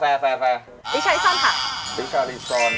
ไอ้เจ็นรู้เหรอ